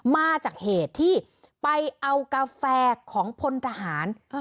มาจากเหตุที่ไปเอากาแฟของพลทหาร